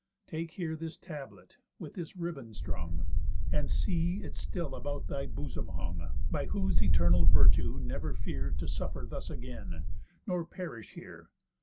Take here this tablet, with this riband strung, And see it still about thy bosom hung; By whose eternal virtue never fear To suffer thus again, nor perish here.